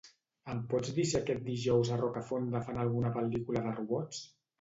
Em pots dir si aquest dijous a Rocafonda fan alguna pel·lícula de robots?